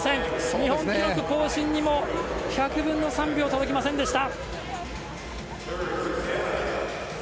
日本記録更新にも１００分の３秒届きませんでした。